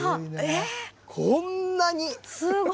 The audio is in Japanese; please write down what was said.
こんなに。